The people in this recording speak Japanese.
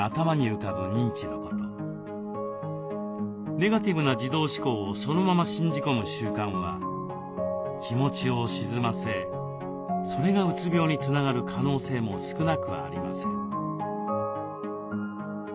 ネガティブな自動思考をそのまま信じ込む習慣は気持ちを沈ませそれがうつ病につながる可能性も少なくありません。